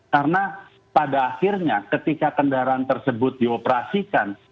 karena pada akhirnya ketika kendaraan tersebut dioperasikan